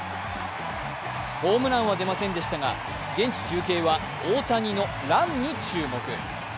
ホームランは出ませんでしたが現地中継は大谷のランに注目。